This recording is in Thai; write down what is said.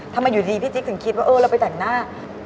ทำไมอยู่ดีพี่จิ๊กถึงคิดว่าเออเราไปแต่งหน้า